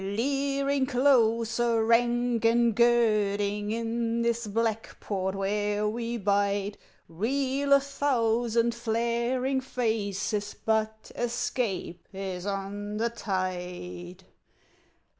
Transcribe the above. Leering closer, rank and girding, In this Black Port where we bide, Reel a thousand flaring faces; But escape is on the tide.